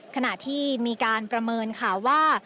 ขณะที่มีการประเมินค่ะว่า